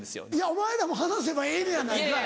お前らも話せばええのやないかい。